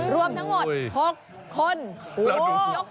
รวมทั้งหมด๖คน